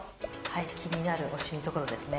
気になるシミのところですね。